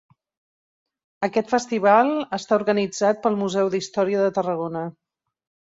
Aquest festival està organitzat pel Museu d'Història de Tarragona.